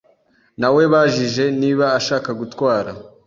Nawebajije niba ashaka gutwara.